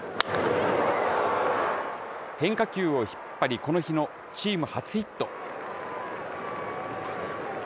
変化球を引っ張り、この日のチーム初ヒット。